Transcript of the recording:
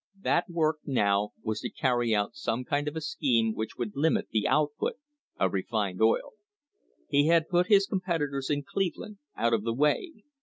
That work now was to carry out some kind of a scheme which would limit the output of refined oil. He had put his competi tors in Cleveland out of the way.